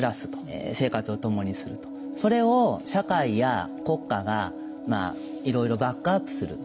それを社会や国家がいろいろバックアップすると。